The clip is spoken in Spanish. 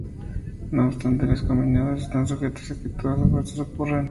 No obstante, las combinadas están sujetas a que todas las apuestas ocurran.